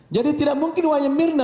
jadi tidak mungkin wayang mirna